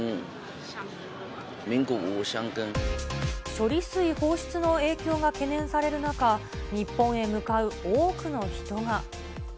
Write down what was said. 処理水放出の影響が懸念される中、日本へ向かう多くの人が。